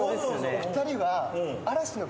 お二人は。